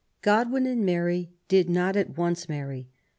Godwin and Mary did not at once marry.